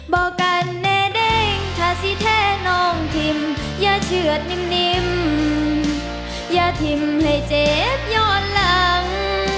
บอกกันแน่เด้งถ้าสิแท้น้องทิมอย่าเฉือดนิ่มอย่าทิ้มให้เจ็บย้อนหลัง